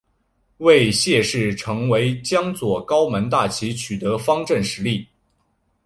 为谢氏成为江左高门大族取得方镇实力。